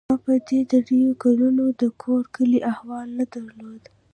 ما په دې درېو کلونو د کور کلي احوال نه درلود.